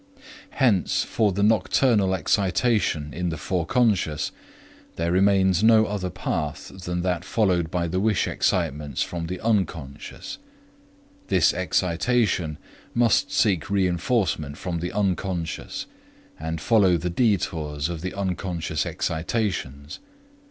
Hence, for the nocturnal excitation in the Force, there remains no other path than that followed by the wish excitements from the Unc. This excitation must seek reinforcement from the Unc., and follow the detours of the unconscious excitations.